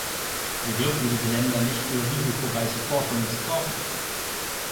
Wir dürfen diese Länder nicht für risikoreiche Forschung missbrauchen.